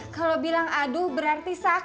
kalau bilang aduh berarti sakit